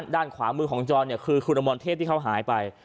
ด้านขวามือของจรคือคุณอมรเทพที่เขาหายไป